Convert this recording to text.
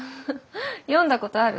読んだことある？